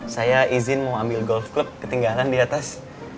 saya izin mau ambil golf club ketinggalan di atas